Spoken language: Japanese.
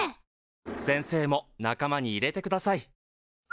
先生も仲間に入れてください。